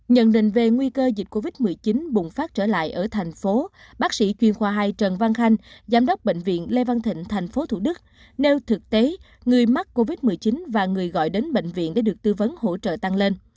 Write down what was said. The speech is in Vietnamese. nhận định về nguy cơ dịch covid một mươi chín bùng phát trở lại ở thành phố bác sĩ chuyên khoa hai trần văn khanh giám đốc bệnh viện lê văn thịnh tp thủ đức nêu thực tế người mắc covid một mươi chín và người gọi đến bệnh viện để được tư vấn hỗ trợ tăng lên